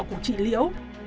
của chị liễu